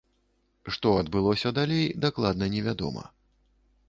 Што адбылося далей, дакладна невядома.